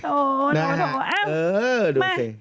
โอ้โธ่เอ้าเออดูสิ